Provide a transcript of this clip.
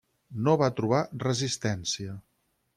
No va trobar resistència.